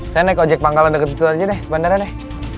saya naik ojek pangkalan deket itu aja deh bandara deh